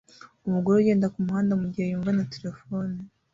Umugore ugenda kumuhanda mugihe yumva na terefone